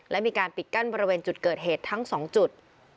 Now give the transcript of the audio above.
และมีการปิดกั้นบริเวณจุดเกิดเหตุทั้ง๒จุด